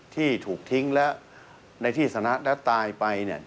ที่ถูกทิ้งและในที่สถานที่และตายไปเนี่ย